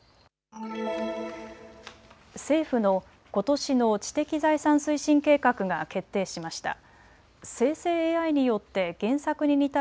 政府のことしの知的財産推進計画が決定しました。